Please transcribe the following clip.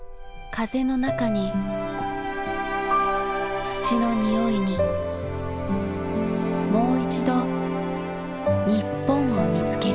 風の中に土の匂いにもういちど日本を見つける。